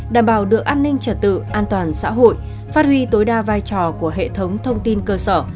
đảm bảo được an ninh trật tự an toàn xã hội phát huy tối đa vai trò của hệ thống thông tin cơ sở